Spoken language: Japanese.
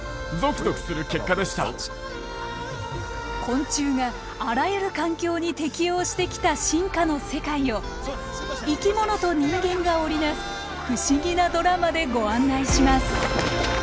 昆虫があらゆる環境に適応してきた進化の世界を生き物と人間が織り成す不思議なドラマでご案内します！